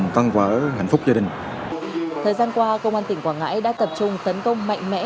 thời gian qua công an tỉnh quảng ngãi đã tập trung tấn công mạnh mẽ